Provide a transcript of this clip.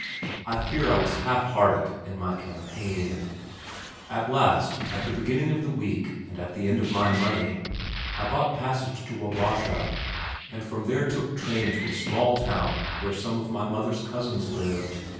I fear I was half hearted in my campaign. At last, at the beginning of the week and at the end of my money, I bought passage to Wabasha and from there took train to a small town where some of my mother's cousins lived.